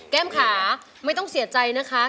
ขาไม่ต้องเสียใจนะคะ